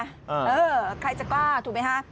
เออใครจะกล้าถูกไหมฮะ